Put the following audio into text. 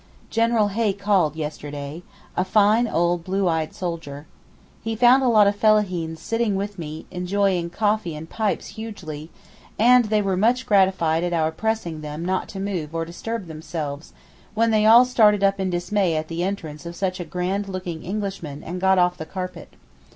General Hay called yesterday—a fine old, blue eyed soldier. He found a lot of Fellaheen sitting with me, enjoying coffee and pipes hugely, and they were much gratified at our pressing them not to move or disturb themselves, when they all started up in dismay at the entrance of such a grand looking Englishman and got off the carpet.